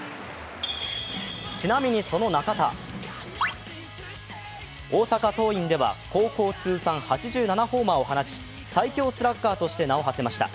ちなみに、その中田。大阪桐蔭では高校通算８７ホーマーを放ち最強スラッガーとして名をはせました。